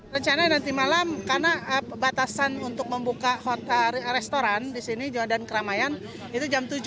rencana nanti malam karena batasan untuk membuka restoran dan keramaian itu jam tujuh